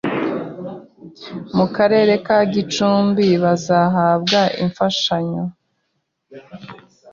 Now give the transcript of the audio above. mu karere ka Gicumbi bazahabwa imfashanyo